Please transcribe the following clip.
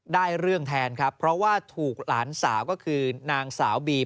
เรื่องแทนครับเพราะว่าถูกหลานสาวก็คือนางสาวบีม